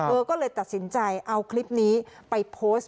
เธอก็เลยตัดสินใจเอาคลิปนี้ไปโพสต์